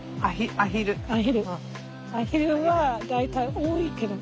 アヒルは大体多いけど。